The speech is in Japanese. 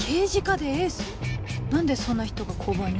何でそんな人が交番に？